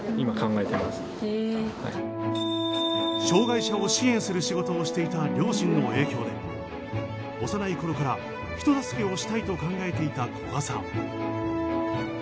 障害者を支援する仕事をしていた両親の影響で幼いころから人助けをしたいと考えていた古賀さん。